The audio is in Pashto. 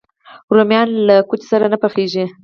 رومیان له کوچ سره نه پخېږي